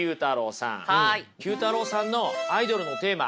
９太郎さんのアイドルのテーマ